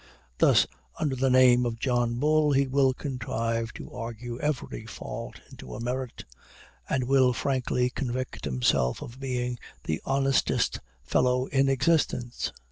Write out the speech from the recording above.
Thus, under the name of John Bull, he will contrive to argue every fault into a merit, and will frankly convict himself of being the honestest fellow in existence.